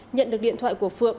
nhận được điện thoại của phượng